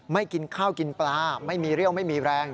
กินข้าวกินปลาไม่มีเรี่ยวไม่มีแรง